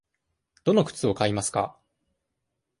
どの靴を買いますか。